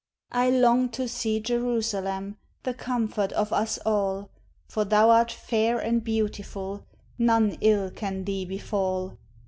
I long to see Jerusalem, The comfort of us all; For thou art fair and beautiful None ill can thee befall.